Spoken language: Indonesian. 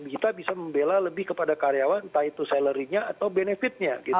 karena kita bisa membela lebih kepada karyawan entah itu salary nya atau benefit nya gitu loh